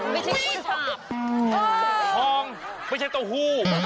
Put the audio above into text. ไม่ใช่คุณชอบทองไม่ใช่โต้หู้